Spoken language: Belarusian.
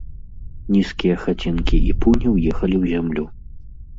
Нізкія хацінкі і пуні ўехалі ў зямлю.